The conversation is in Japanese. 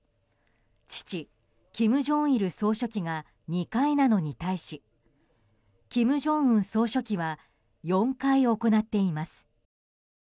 父・金正日総書記が２回なのに対し金正恩総書記は４回行っています。